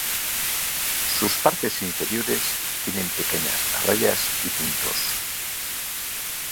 Sus partes inferiores tienen pequeñas rayas y puntos.